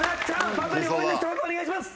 パパに応援の一言お願いします。